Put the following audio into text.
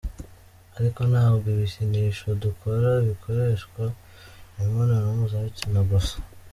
Ariko ntabwo ibikinisho dukora bikoreshwa imibonano mpuzabitsina gusa.